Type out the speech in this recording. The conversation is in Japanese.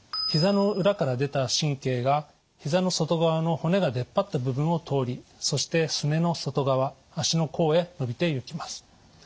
膝の裏から出た神経が膝の外側の骨が出っ張った部分を通りそしてすねの外側足の甲へのびていきます。